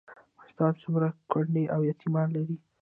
افغانستان څومره کونډې او یتیمان لري؟